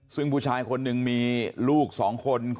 ซึ่งผู้ชายคนหนึ่งมีลูก๒คน